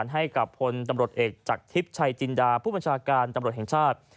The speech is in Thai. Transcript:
ให้กับพลตำรวจเอกจากทิพย์ชัยจินดาผู้บัญชาการตำรวจแห่งชาติ